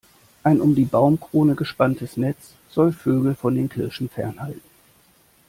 Ein um die Baumkrone gespanntes Netz soll Vögel von den Kirschen fernhalten.